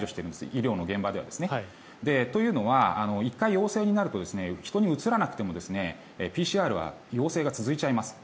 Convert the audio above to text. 医療の現場では。というのは１回陽性になると人にうつらなくてもＰＣＲは陽性が続いちゃいます。